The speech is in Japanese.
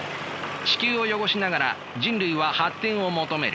地球を汚しながら人類は発展を求める。